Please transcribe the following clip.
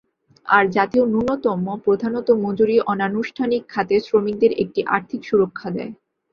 আর জাতীয় ন্যূনতম প্রধানত মজুরি অনানুষ্ঠানিক খাতের শ্রমিকদের একটি আর্থিক সুরক্ষা দেয়।